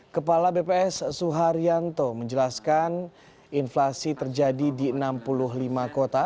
kepala bps suharyanto menjelaskan inflasi terjadi di enam puluh lima kota